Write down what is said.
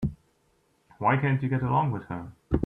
Why can't you get along with her?